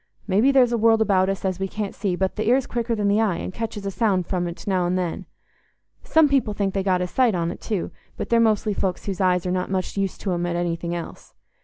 Maybe there's a world about us as we can't see, but th' ear's quicker than the eye and catches a sound from't now and then. Some people think they get a sight on't too, but they're mostly folks whose eyes are not much use to 'em at anything else.